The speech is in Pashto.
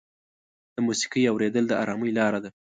د موسیقۍ اورېدل د ارامۍ لاره ده.